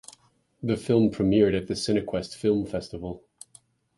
The film premiered at the Cinequest Film Festival.